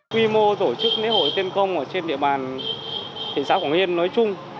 quy mô tổ chức lễ hội tiên công trên địa bàn tp hcm nói chung